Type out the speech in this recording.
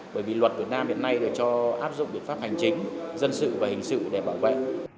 bởi vì luật việt nam hiện nay là cho áp dụng biện pháp hành chính dân sự và hình sự để bảo vệ